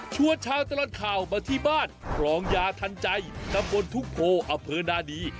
ชัวร์ช้าตลอดข่าวมาที่บ้านพรองยาทันใจน้ำวนทุกโพอเผินนาดี